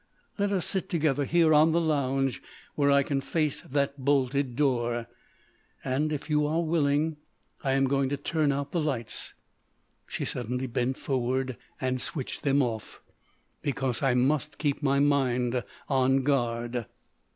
"Let us sit together here on the lounge where I can face that bolted door. And if you are willing, I am going to turn out the lights——" She suddenly bent forward and switched them off—"because I must keep my mind on guard."